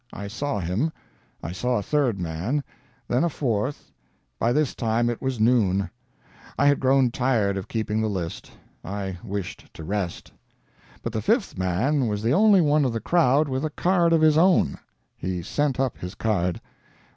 I saw him. I saw a third man, then a fourth. By this time it was noon. I had grown tired of keeping the list. I wished to rest. "But the fifth man was the only one of the crowd with a card of his own. He sent up his card.